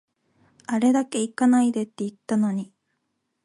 あれだけ行かないでって言ったのに